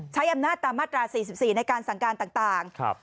ใช้อำหนาตตามมาตราสี่สิบสี่ในการสั่งการต่างต่างครับ